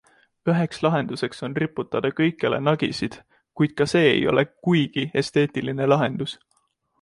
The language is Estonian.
Üheks lahenduseks on riputada kõikjale nagisid, kuid ka see ei ole kuigi esteetiline lahendus.